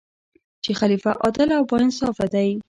چې خلیفه عادل او با انصافه دی.